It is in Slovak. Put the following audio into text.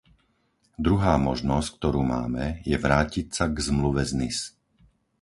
Druhá možnosť, ktorú máme, je vrátiť sa k Zmluve z Nice.